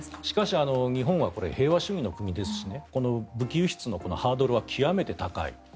しかし日本はこれ平和主義の国ですし武器輸出のハードルは極めて高い。